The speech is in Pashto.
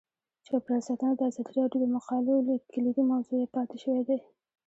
چاپیریال ساتنه د ازادي راډیو د مقالو کلیدي موضوع پاتې شوی.